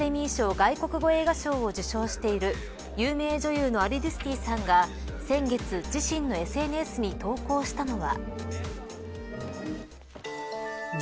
外国語映画賞を受賞している有名女優のアリドゥスティさんが先月自身のＳＮＳに投稿したのは。